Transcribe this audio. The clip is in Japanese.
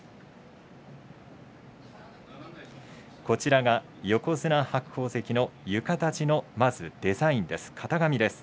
こちらが横綱白鵬関の浴衣地のデザインです。